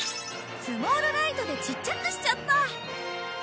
スモールライトでちっちゃくしちゃった！